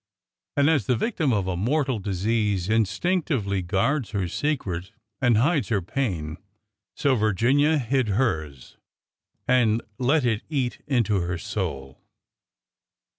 And as the victim of a mortal disease instinctively guards her secret and hides her pain, so Virginia hid hers and let it eat into her soul.